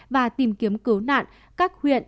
và tìm kiếm cố nạn các huyện